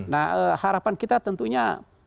nah harapan kita tentunya